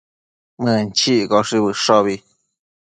Mënchiccoshi bëshobi